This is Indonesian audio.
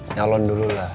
nyalon dulu lah